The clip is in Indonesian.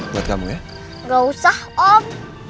buat kamu ya nggak usah om